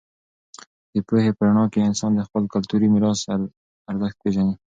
د پوهې په رڼا کې انسان د خپل کلتوري میراث ارزښت پېژني.